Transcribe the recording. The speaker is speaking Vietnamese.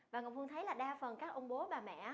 và ngọc hương thấy là đa phần các ông bố bà mẹ